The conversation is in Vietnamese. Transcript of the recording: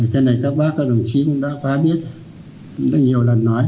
cái này các bác các đồng chí cũng đã quá biết cũng đã nhiều lần nói